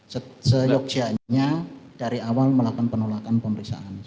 seyogjanya dari awal melakukan penolakan pemeriksaan